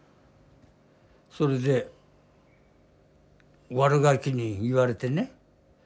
それで悪ガキに言われてね。